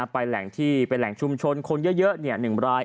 แหล่งที่เป็นแหล่งชุมชนคนเยอะ๑ราย